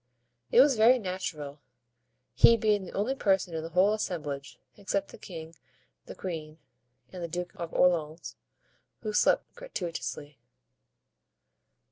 It was very natural, he being the only person in the whole assemblage, except the king, the queen, and the Duke of Orleans, who slept gratuitously.